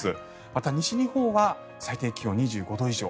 また、西日本は最低気温２５度以上。